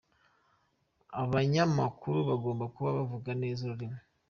Abanyamakuru bagomba kuba bavuga neza ururimi.